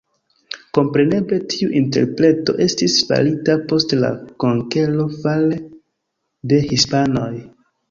Kompreneble tiu interpreto estis farita post la konkero fare de hispanoj.